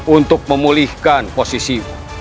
untuk memulihkan posisi